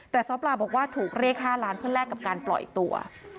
แต่ซ้อปลาบอกว่าถูกเรียก๕ล้านเพื่อแลกกับการปล่อยตัว